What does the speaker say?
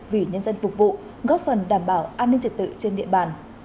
vì nhân dân phục vụ góp phần đảm bảo an ninh trật tự trên địa bàn